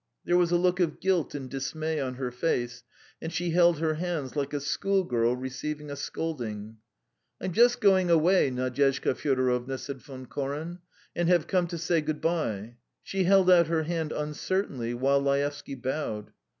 There was a look of guilt and dismay on her face, and she held her hands like a schoolgirl receiving a scolding. "I'm just going away, Nadyezhda Fyodorovna," said Von Koren, "and have come to say good bye." She held out her hand uncertainly, while Laevsky bowed.